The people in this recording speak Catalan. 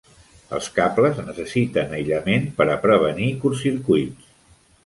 Els cables necessiten aïllament per a prevenir curtcircuits.